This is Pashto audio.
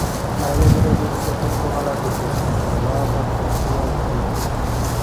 ازادي راډیو د سیاست په اړه د ټولنې د ځواب ارزونه کړې.